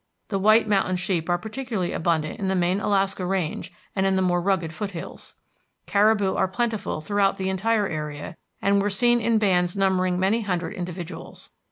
The white mountain sheep are particularly abundant in the main Alaska Range, and in the more rugged foothills. Caribou are plentiful throughout the entire area, and were seen in bands numbering many hundred individuals.